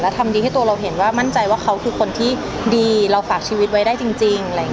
ทำดีให้ตัวเราเห็นว่ามั่นใจว่าเขาคือคนที่ดีเราฝากชีวิตไว้ได้จริง